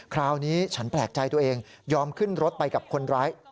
คราวนี้ฉันแปลกใจตัวเองยอมขึ้นรถไปกับคนร้าย